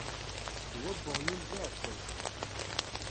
Ddwa n uɣyul d aɛekkaz.